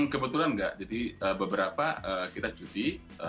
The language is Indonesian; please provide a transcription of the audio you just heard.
kebetulan nggak jadi beberapa kita judi